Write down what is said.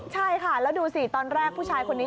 ใช่ค่ะแล้วดูสิตอนแรกผู้ชายคนนี้